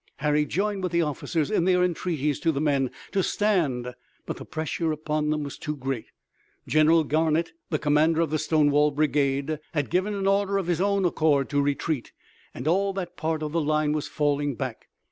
Harry joined with the officers in their entreaties to the men to stand, but the pressure upon them was too great. General Garnett, the commander of the Stonewall Brigade, had given an order of his own accord to retreat, and all that part of the line was falling back.